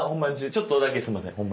ちょっとだけすいません。